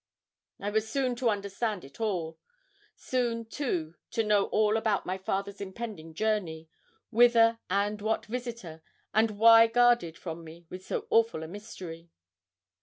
I was soon to understand it all soon, too, to know all about my father's impending journey, whither, with what visitor, and why guarded from me with so awful a mystery.